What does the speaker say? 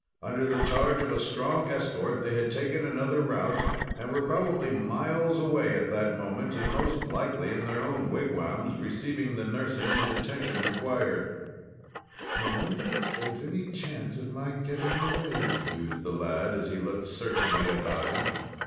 Under the charge of a strong escort they had taken another route, and were probably miles away at that moment, and most likely in their own wigwams, receiving the nursing and attention required. "I wonder whether there is any chance of my getting away?" mused the lad, as he looked searchingly about him.